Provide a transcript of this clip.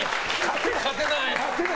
勝てない。